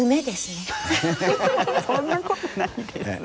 そんなことないです。